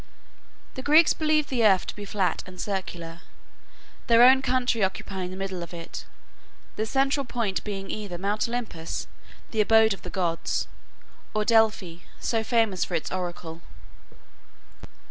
The Greeks believed the earth to be flat and circular, their own country occupying the middle of it, the central point being either Mount Olympus, the abode of the gods, or Delphi, so famous for its oracle.